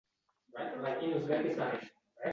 Nimaga yigʻlayapsan